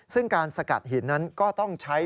ซึ่งการสกัดหินนั้นก็ต้องใช้